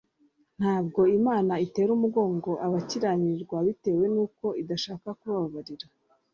ntabwo imana itera umugongo abakiranirwa bitewe n'uko idashaka kubabarira